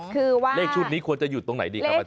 คือว่าเลขชุดนี้ควรจะอยู่ตรงไหนดีครับอาจา